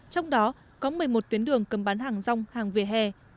trong đó có một mươi một tuyến đường cầm bán hàng rong hàng vỉa hè